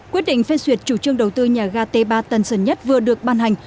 quyết định phê duyệt chủ trương đầu tư nhà ga t ba tân sơn nhất vừa được ban hành